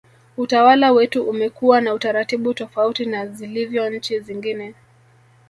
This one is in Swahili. utawala wetu umekuwa na utaratibu tofauti na zilivyo nchi zingine